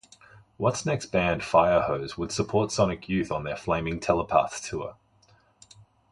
Watt's next band, Firehose, would support Sonic Youth on their Flaming Telepaths tour.